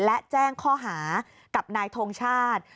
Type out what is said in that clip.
และแจ้งข้อหากับนายทงชาติ